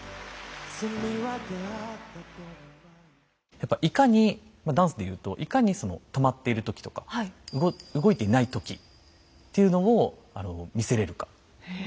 やっぱいかにダンスで言うといかにその止まっている時とか動いていない時っていうのを見せれるか。